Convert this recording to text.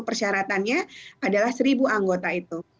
persyaratannya adalah seribu anggota itu